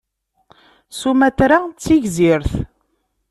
Sumatra d tigzirt.